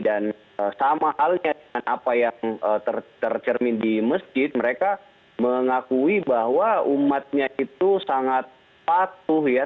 dan sama halnya dengan apa yang tercermin di masjid mereka mengakui bahwa umatnya itu sangat patuh ya